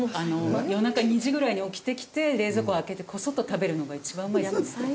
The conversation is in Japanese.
夜中２時ぐらいに起きてきて冷蔵庫を開けてコソッと食べるのが一番うまいですよね。